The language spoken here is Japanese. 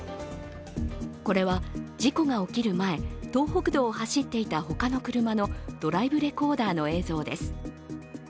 これは事故が起きる前東北道を走っていた他の車のドライブレコーダーの映像です。